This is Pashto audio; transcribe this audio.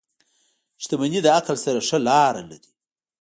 • شتمني د عقل سره ښه لاره لري.